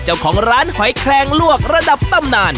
เจ้าของร้านหอยแคลงลวกระดับตำนาน